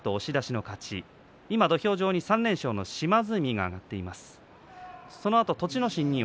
土俵上は３連勝の島津海が上がっています。